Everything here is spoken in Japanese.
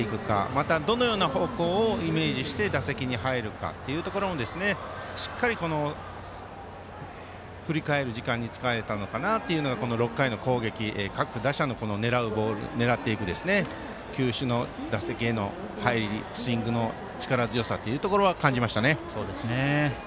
またどのような方向をイメージして打席に入るかというところをしっかり、振り返る時間に使えたのかなというこの６回の攻撃各打者の狙っていく球種の打席への入り、スイングの力強さというところは感じましたね。